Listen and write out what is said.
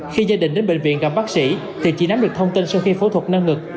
khi gia đình đến bệnh viện gặp bác sĩ thì chị nắm được thông tin sau khi phẫu thuật nâng ngực